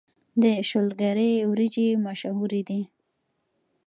د شولګرې وريجې مشهورې دي